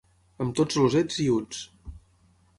Amb tots els ets i uts.